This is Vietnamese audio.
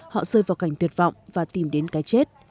họ rơi vào cảnh tuyệt vọng và tìm đến cái chết